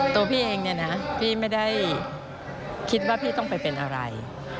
ตัวพี่เองเนี่ยนะพี่ไม่ได้คิดว่าพี่ต้องไปเป็นอะไร